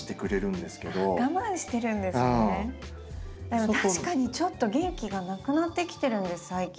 でも確かにちょっと元気がなくなってきてるんです最近。